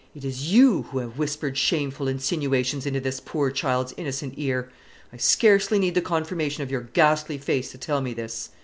It is you who have whispered shameful insinuations into this poor child's innocent ear! I scarcely need the confirmation of your ghastly face to tell me this.